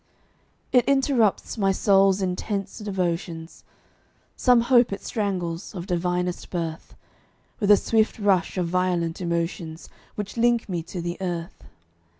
It interrupts my soul's intense devotions; Some hope it strangles, of divinest birth, With a swift rush of violent emotions Which link me to the earth.